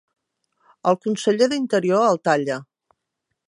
El conseller d'Interior el talla.